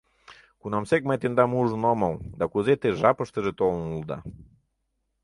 Кунамсек мый тендам ужын омыл да кузе те жапыштыже толын улыда!